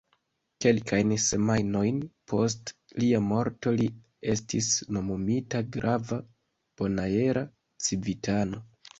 Kelkajn semajnojn post lia morto, li estis nomumita grava bonaera civitano.